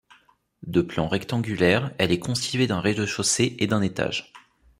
De plan rectangulaire, elle est constituée d'un rez-de-chaussée et d'un étage.